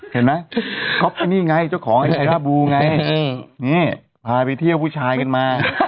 เห็นไหมก๊อปที่นี่ไงเจ้าของไอด้าบูไงนี่พาไปเที่ยวผู้ชายกันมา